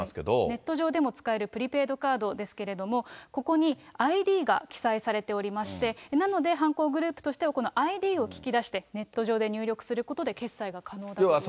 ネット上でも使えるプリペイドカードですけれども、ここにＩＤが記載されておりまして、なので、犯行グループとしてはこのＩＤを聞き出して、ネット上で入力することで、決済が可能だということです。